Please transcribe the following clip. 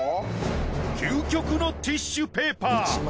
究極のティッシュペーパー。